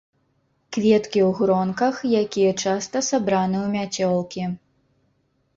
Кветкі ў гронках, якія часта сабраны ў мяцёлкі.